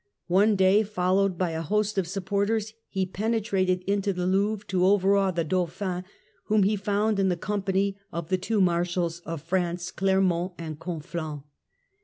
One day, followed by a host of supporters, he penetrated into the Louvre to overawe the Dauphin, whom he found in the company of the two Marshals of France, Clermont and Confians.